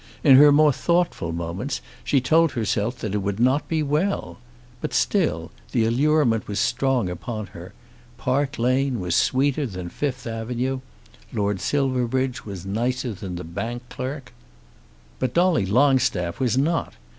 In her more thoughtful moments she told herself that it would not be well. But still the allurement was strong upon her. Park Lane was sweeter than the Fifth Avenue. Lord Silverbridge was nicer than the bank clerk. But Dolly Longstaff was not.